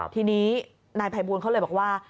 ทีนี้นายภัยบูลเขาเลยบอกว่า